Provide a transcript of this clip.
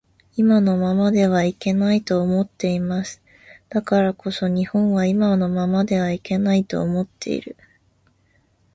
今のままではいけないと思っています。だからこそ日本は今のままではいけないと思っている